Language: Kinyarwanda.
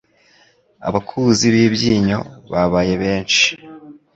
abakuzi b'ibyinyo babaye besnhi